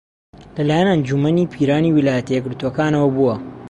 لەلایەن ئەنجوومەنی پیرانی ویلایەتە یەکگرتووەکانەوە بووە